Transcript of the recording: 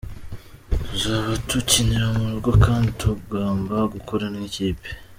Tuzaba dukinira mu rugo kandi tugomba gukora nk’ikipe.